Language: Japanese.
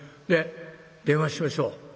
ねっ電話しましょう。